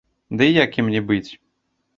Дый як ім не быць?